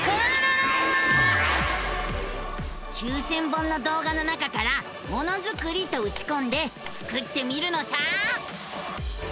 ９，０００本の動画の中から「ものづくり」とうちこんでスクってみるのさ！